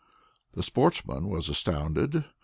The sportsman was astounded.